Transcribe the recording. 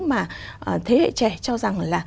mà thế hệ trẻ cho rằng là